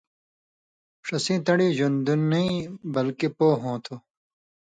ݜسیں تَن٘ڈیۡ ژؤن٘دُن نَیں بلکے پو ہوں تُھو۔